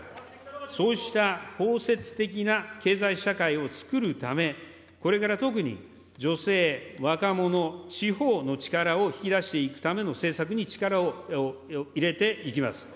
そうした包摂的な経済社会を創るため、これから特に、女性、若者、地方の力を引き出していくための政策に力を入れていきます。